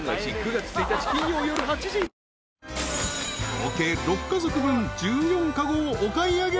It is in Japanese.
［合計６家族分１４籠をお買い上げ］